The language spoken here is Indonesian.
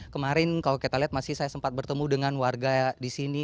kemarin kalau kita lihat masih saya sempat bertemu dengan warga di sini